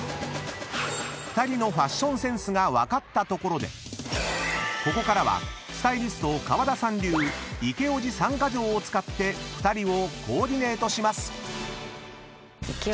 ［２人のファッションセンスが分かったところでここからはスタイリスト川田さん流イケおじ３カ条を使って２人をコーディネートします］